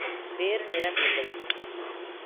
வேறு நிறம் இல்லை.